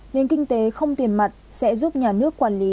nền kinh tế không tiền mặt sẽ giúp nhà nước quản lý